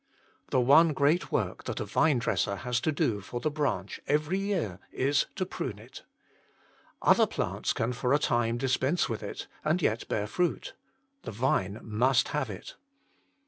The one great work that a vinedresser has to do for the branch every year is to prune it. Other plants can for a time dispense with it, and yet bear fruit : the vine must have it.